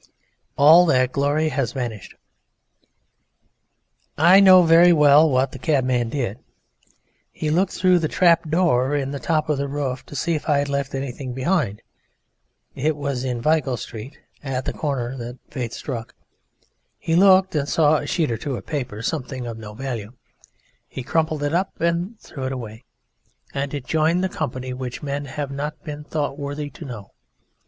All that glory has vanished. I know very well what the cabman did. He looked through the trap door in the top of the roof to see if I had left anything behind. It was in Vigo Street, at the corner, that the fate struck. He looked and saw a sheet or two of paper something of no value. He crumpled it up and threw it away, and it joined the company which men have not been thought worthy to know.